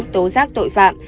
tố giác tội phạm